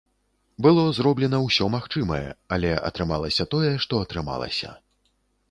Было зроблена ўсё магчымае, але атрымалася тое, што атрымалася.